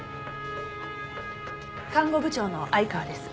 看護部長の愛川です。